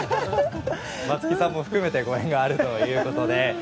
松木さんも含めてご縁があるということで。